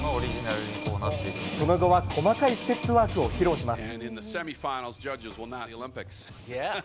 その後は、細かいステップワークを披露します。